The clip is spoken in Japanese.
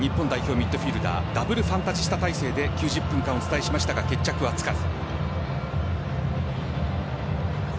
ミッドフィールダーダブルファンタジスタ体制で９０分間、お伝えしましたが決着はつかず。